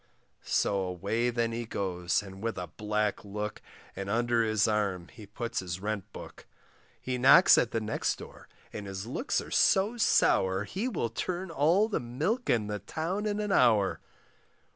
So away then he goes, and with a black look, And under his arm he puts his rent book; He knocks at the next door, and his looks are so sour, He will turn all the milk in the town in an hour.